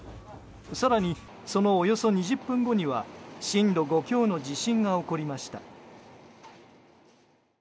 更にそのおよそ２０分後には震度５強の地震が起こりました。